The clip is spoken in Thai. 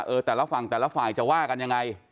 แต่ละฝั่งแต่ละฝ่ายจะว่ากันยังไง